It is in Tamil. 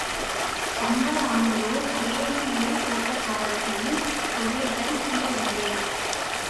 சம்பரானிலோ, ஐரோப்பியத் தோட்டக்காரர்களின் தொல்லைகள் தீரவில்லை.